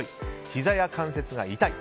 ひざや関節が痛い。